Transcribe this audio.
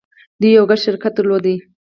دوی يو ګډ شرکت درلود.